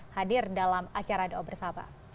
hadir dalam acara doa bersama